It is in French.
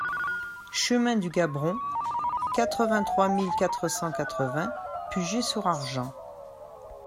Chemin du Gabron, quatre-vingt-trois mille quatre cent quatre-vingts Puget-sur-Argens